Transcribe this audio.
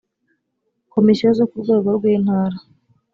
Komisiyo zo ku rwego rw intara